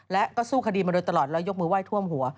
และก็สู้คดีมาโดยตลอดแล้วยกมือไห้ท่วมหัว